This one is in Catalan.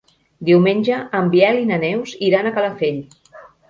Diumenge en Biel i na Neus iran a Calafell.